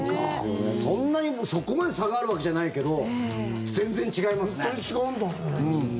そんなに、そこまで差があるわけじゃないけど本当に違うんだね。